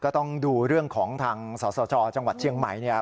ก็ต้องดูเรื่องของทางสสจจังหวัดเชียงใหม่เนี่ย